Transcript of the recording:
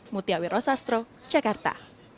mutiawiro sastro jakarta